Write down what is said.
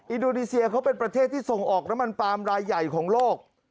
อินโดนีเซียเขาเป็นประเทศที่ส่งออกน้ำมันปลามรายใหญ่ของโลก